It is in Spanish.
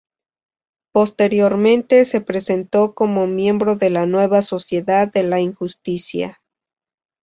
Posteriormente se presentó como miembro de la nueva Sociedad de la Injusticia.